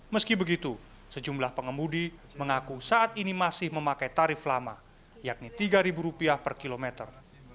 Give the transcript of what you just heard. meski begitu sejumlah pengemudi mengaku saat ini masih memakai tarif lama yakni rp tiga per kilometer